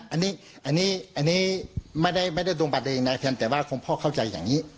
อันนี้ไม่ได้ตรงบัตรเองนะเพียงแต่ว่าคุณพ่อเข้าใจอย่างนี้